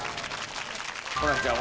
ホランちゃん